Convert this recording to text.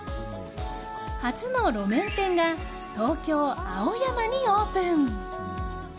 初の路面店が東京・青山にオープン。